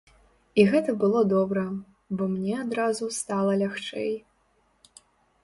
І гэта было добра, бо мне адразу стала лягчэй.